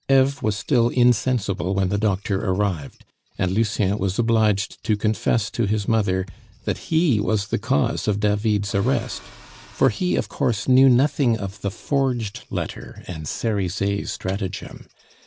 Eve was still insensible when the doctor arrived; and Lucien was obliged to confess to his mother that he was the cause of David's arrest; for he, of course, knew nothing of the forged letter and Cerizet's stratagem.